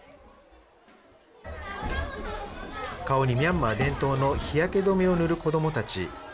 顔にミャンマー伝統の日焼け止めを塗る子どもたち。